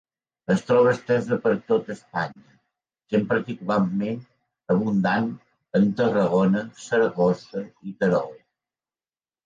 Es troba estesa per tot Espanya, sent particularment abundant en Tarragona, Saragossa i Terol.